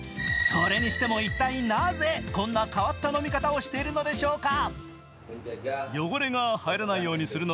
それにしても一体なぜこんな変わった飲み方をしているのでしょうか。